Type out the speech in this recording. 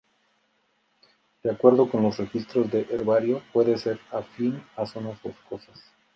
De acuerdo con los registros de herbario, puede ser afín a zonas boscosas.